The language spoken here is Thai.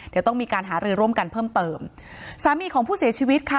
เดี๋ยวต้องมีการหารือร่วมกันเพิ่มเติมสามีของผู้เสียชีวิตค่ะ